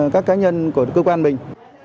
các cá nhân của cơ quan mình